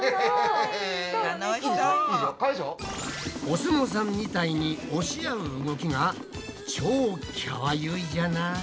お相撲さんみたいに押し合う動きが超きゃわゆいじゃない。